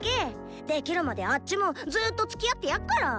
できるまであッチもずっとつきあってやっから！